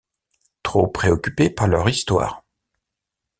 Trop préoccupés par leur histoire.